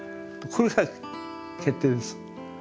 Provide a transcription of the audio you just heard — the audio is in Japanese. これが決定です。